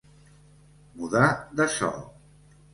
Mudar de so.